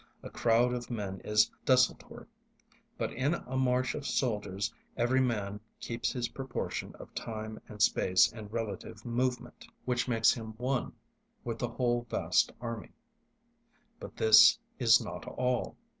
A crowd of men is desultory, but in a march of soldiers every man keeps his proportion of time and space and relative movement, which makes him one with the whole vast army. But this is not all.